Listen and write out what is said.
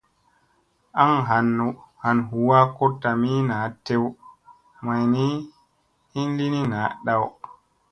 Aŋ han huwa ko tami naa tew mayni hin li ni na dow.